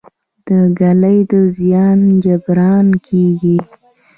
د ږلۍ د زیان جبران کیږي؟